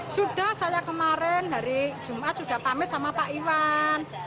sudah saya kemarin hari jumat sudah pamit sama pak iwan